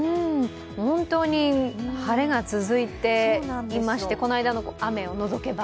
本当に晴れが続いていまして、この間の雨を除けば。